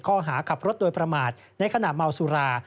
ข้อหาขับรถโดยประมาทในขณะเมาสุรา